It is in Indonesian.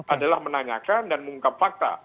adalah menanyakan dan mengungkap fakta